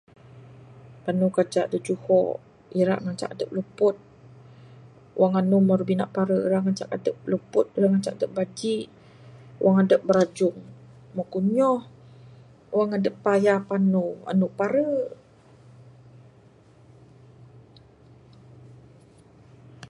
Panu kajak da juho ira ngancak adep luput wang andu maru bina pare ira ngancak adep luput ira ngancak adep bnajik...wang adep birajung mbuh kunyoh Wang adep paya panu andu pare.